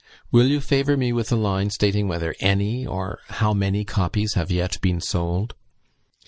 Will you favour me with a line stating whether any, or how many copies have yet been sold?"